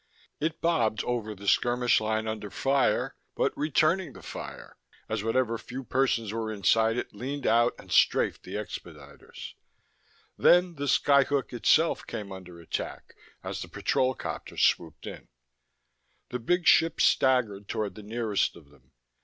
It bobbed over the skirmish line under fire, but returning the fire as whatever few persons were inside it leaned out and strafed the expediters. Then the skyhook itself came under attack as the patrol copters swooped in. The big ship staggered toward the nearest of them.